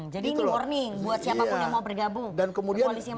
jadi ini warning buat siapapun yang mau bergabung